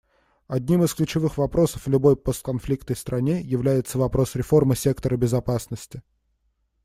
Одним из ключевых вопросов в любой постконфликтной стране является вопрос реформы сектора безопасности.